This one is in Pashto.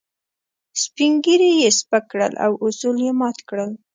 سپين ږيري يې سپک کړل او اصول يې مات کړل.